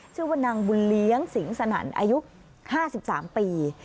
ชื่อว่านางบุญเลี้ยงสิงสนั่นอายุ๕๓ปี